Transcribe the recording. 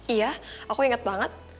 iya aku inget banget